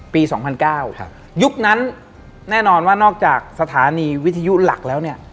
๒๐๐๙ยุคนั้นแน่นอนว่านอกจากสถานีวิทยุหลักแล้วเนี่ย